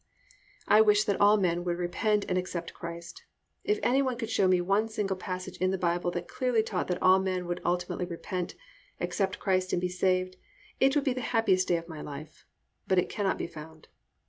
I wish that all men would repent and accept Christ. If any one could show me one single passage in the Bible that clearly taught that all men would ultimately repent, accept Christ and be saved, it would be the happiest day of my life, but it cannot be found.